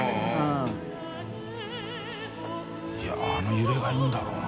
Δ鵑Δ鵝いあの揺れがいいんだろうな。